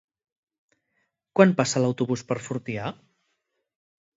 Quan passa l'autobús per Fortià?